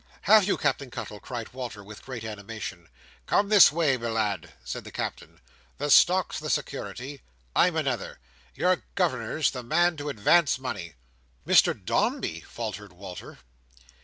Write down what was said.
"Have you, Captain Cuttle?" cried Walter, with great animation. "Come this way, my lad," said the Captain. "The stock's the security. I'm another. Your governor's the man to advance money." "Mr Dombey!" faltered Walter.